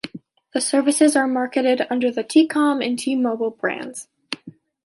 The services are marketed under the T-Com and T-Mobile brands.